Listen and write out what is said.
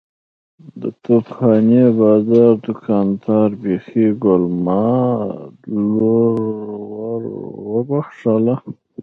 د توپ خانې بازار دوکاندار بخۍ ګل ماد لور ور وبخښله.